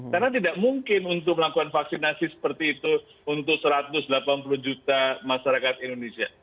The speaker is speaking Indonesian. karena tidak mungkin untuk melakukan vaksinasi seperti itu untuk satu ratus delapan puluh juta masyarakat indonesia